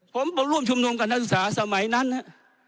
ผมไปร่วมชุมนุมกับนักศึกษาสมัยนั้นครับ